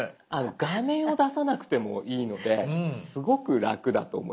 画面を出さなくてもいいのですごく楽だと思います。